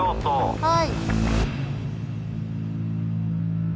☎はい。